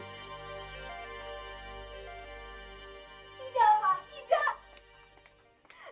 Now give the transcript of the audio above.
tidak pak tidak